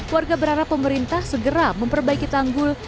warga berharap pemerintah segera memperbaiki tanggul